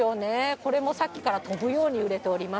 これもさっきから飛ぶように売れております。